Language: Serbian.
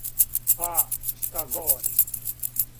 Па, шта говори?